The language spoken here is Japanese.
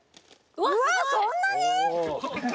うわそんなに？